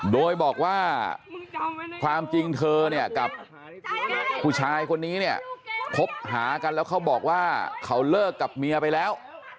โดยบอกว่าความจริงเธอเนี่ยกับผู้ชายคนนี้เนี่ยคบหากันแล้วเขาบอกว่าเขาเลิกกับเมียไปแล้ว